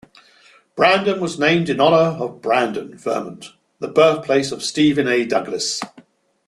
Brandon was named in honor of Brandon, Vermont, the birthplace of Stephen A. Douglas.